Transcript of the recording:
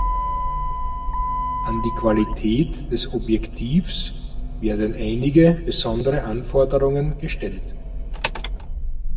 An die Qualität des Objektivs werden einige besondere Anforderungen gestellt.